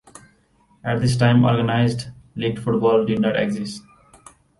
At this time organised League football did not exist.